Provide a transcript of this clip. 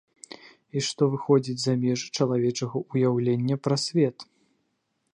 І што выходзіць за межы чалавечага ўяўлення пра свет.